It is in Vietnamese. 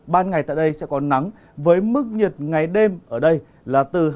ban ngày tại đây sẽ có nắng với mức nhiệt ngày đêm ở đây là từ hai mươi bốn đến ba mươi bốn độ